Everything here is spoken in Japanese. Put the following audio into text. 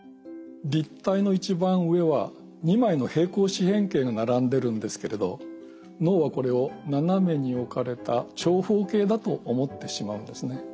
立体の一番上は２枚の平行四辺形が並んでるんですけれど脳はこれを斜めに置かれた長方形だと思ってしまうんですね。